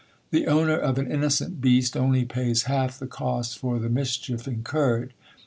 The owner of an innocent beast only pays half the costs for the mischief incurred.